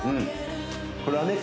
これはね